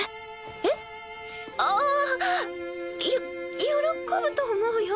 えっ？ああよ喜ぶと思うよ。